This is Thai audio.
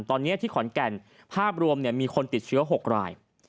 ตอนนี้ที่ขอนแก่นภาพรวมมีคนติดเชื้อ๖ราย